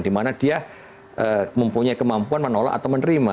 dimana dia mempunyai kemampuan menolak atau menerima